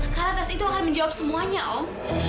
karena tes itu akan menjawab semuanya om